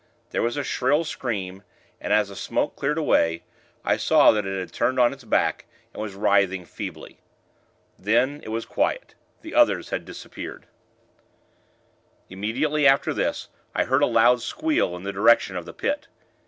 There was a shrill scream, and, as the smoke cleared away, I saw that it had turned on its back, and was writhing, feebly. Then, it was quiet. The others had disappeared. Immediately after this, I heard a loud squeal, in the direction of the Pit.